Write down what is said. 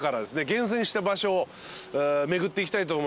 厳選した場所を巡っていきたいと思います。